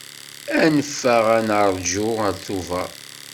Anef-aɣ ad nerǧu ar Tubeṛ.